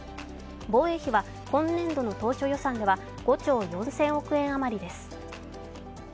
防衛費は今年度の当初予算では５兆４０００億円余りです。